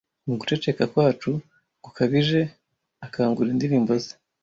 mu guceceka kwacu gukabije akangura indirimbo ze